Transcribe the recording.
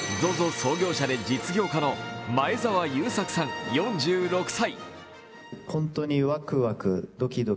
創業者で実業家の前澤友作さん４６歳。